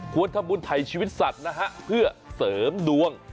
ทำบุญถ่ายชีวิตสัตว์นะฮะเพื่อเสริมดวง